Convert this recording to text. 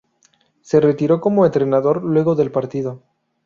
Se retiró como entrenador luego del partido.